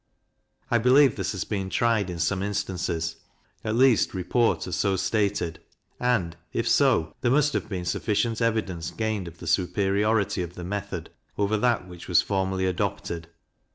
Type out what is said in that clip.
I believe this has been tried in some instances, at least report has so stated, and, if so, there must have been sufficient evidence gained of the superiority of the method over that which was formerly adopted.